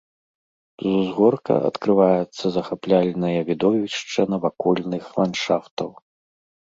З узгорка адкрываецца захапляльнае відовішча навакольных ландшафтаў.